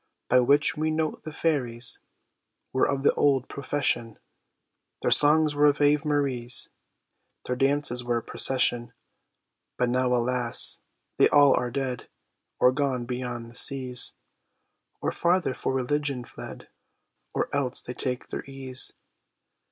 By which we note the fairies Were of the old profession, Their songs were Ave Maries, Their dances were procession: But now, alas! they all are dead, Or gone beyond the seas; Or farther for religion fled, Or else they take their ease.